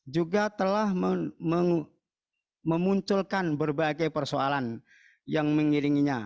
juga telah memunculkan berbagai persoalan yang mengiringinya